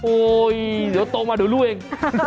เดี๋ยวโตมาเดี๋ยวรู้เอง